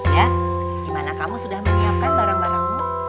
ya dimana kamu sudah menyiapkan barang barangmu